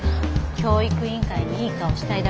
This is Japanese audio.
教育委員会にいい顔したいだけでしょ。